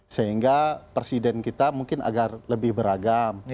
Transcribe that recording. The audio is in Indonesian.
sehingga presiden kita mungkin agar lebih beragam